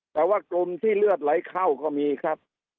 แต่ว่ากลุ่มที่เลือดไหลเข้าก็มีครับ